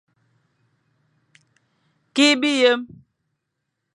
Kikh biyem.